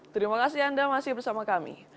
terima kasih anda masih bersama kami